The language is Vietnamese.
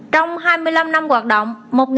trong hai mươi năm năm hoạt động